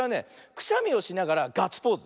くしゃみをしながらガッツポーズ。